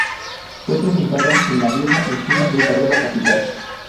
Fue presentado en La Vieja Usina de Córdoba Capital.